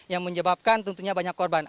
yang menyebabkan tentunya banyak korban